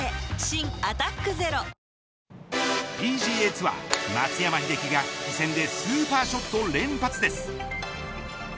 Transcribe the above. ＰＧＡツアー、松山英樹が復帰戦でスーパーショットを連発です。